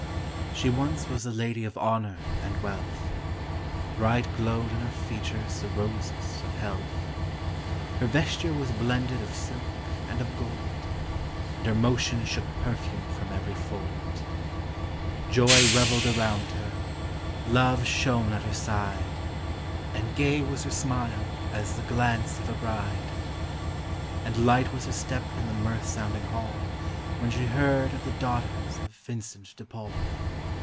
She once was a lady of honor and wealth; Bright glowed in her features the roses of health; Her vesture was blended of silk and of gold, And her motion shook perfume from every fold: Joy revelled around her, love shone at her side, And gay was her smile as the glance of a bride; And light was her step in the mirth sounding hall, When she heard of the daughters of Vincent de Paul.